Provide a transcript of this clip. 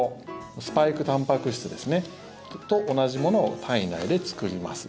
スパイクたんぱく質と同じものを体内で作ります。